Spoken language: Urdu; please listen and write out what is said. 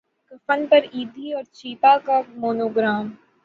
کفن پر ایدھی اور چھیپا کا مونو گرام